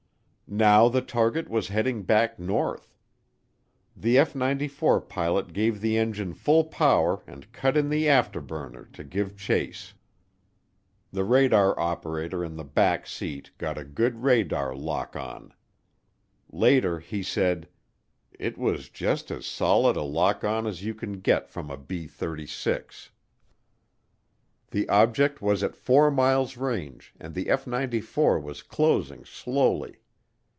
Now the target was heading back north. The F 94 pilot gave the engine full power and cut in the afterburner to give chase. The radar operator in the back seat got a good radar lock on. Later he said, "It was just as solid a lock on as you get from a B 36." The object was at 4 miles range and the F 94 was closing slowly.